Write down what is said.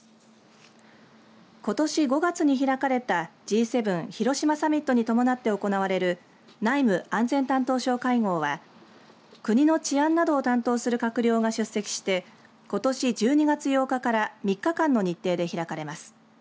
ことし５月に開かれたＧ７広島サミットに伴って行われる内務・安全担当相会合は国の治安などを担当する閣僚が出席してことし１２月８日から３日間の日程で開かれます。